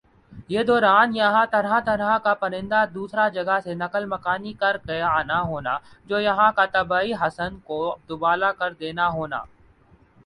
یِہ دوران یَہاں طرح طرح کا پرندہ دُوسْرا جگہ سے نقل مکانی کرکہ آنا ہونا جو یَہاں کا طبعی حسن کو دوبالا کرنا دینا ہونا